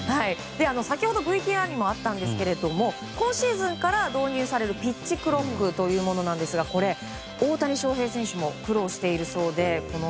先ほどＶＴＲにもあったんですけども今シーズンから導入されるピッチクロックというものですが大谷翔平選手も苦労しているそうで。